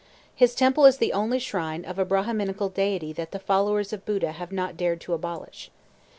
His temple is the only shrine of a Brahminical deity that the followers of Buddha have not dared to abolish.